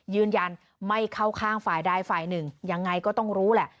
ยืนยันไม่เข้าข้างฝ่ายใดฝ่ายหนึ่งยังไงก็ต้องรู้แหละ